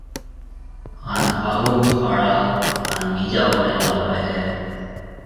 ھان ھاھُو ھاڙا ھان ٻِيجا وائلا ھوئيَ ھيََََ